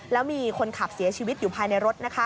แล้วมีคนขับเสียชีวิตอยู่ภายในรถ